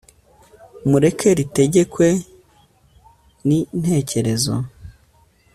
mureke ritegekwe ni ntekerezo